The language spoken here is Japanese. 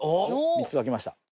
３つ沸きました。